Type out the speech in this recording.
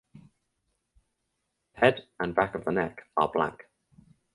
The head and back of the neck are black.